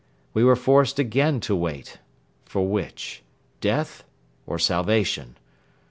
We were forced again to wait: for which? Death or salvation?